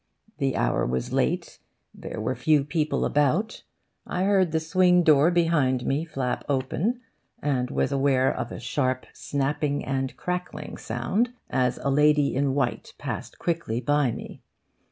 The hour was late, there were few people about. I heard the swing door behind me flap open, and was aware of a sharp snapping and crackling sound as a lady in white passed quickly by me.